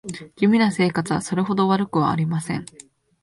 地味な生活はそれほど悪くはありません